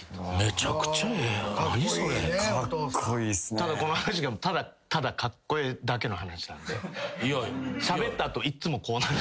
ただこの話がただただカッコエエだけの話なんでしゃべった後いっつもこうなる。